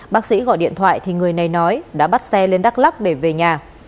bác sĩ gọi điện thoại thì người này nói đã bắt xe lên đắk lắc để về nhà